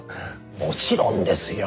もちろんですよ！